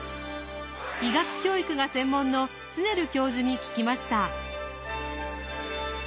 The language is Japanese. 医学教育が専門のスネル教授に聞きました。